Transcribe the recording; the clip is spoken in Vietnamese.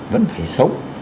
vẫn phải sống